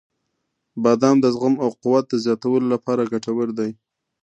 • بادام د زغم او قوت د زیاتولو لپاره ګټور دی.